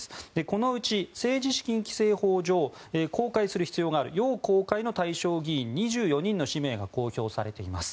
このうち政治資金規正法上公開する必要がある要公開の対象議員２４人の氏名が公表されています。